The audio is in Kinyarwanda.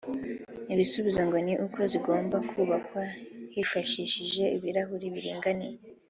Igisubizo ngo ni uko zigomba kubakwa hifashishijwe ibirahure biringaniye